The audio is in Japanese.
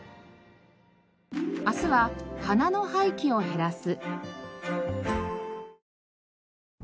明日は花の廃棄を減らす。